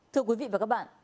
thưa quý vị và các bạn